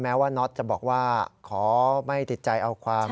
ว่าน็อตจะบอกว่าขอไม่ติดใจเอาความ